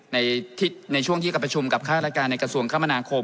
ในช่วงที่ประชุมกับค่าราชการในกระทรวงคมนาคม